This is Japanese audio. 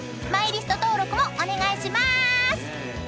［マイリスト登録もお願いしまーす］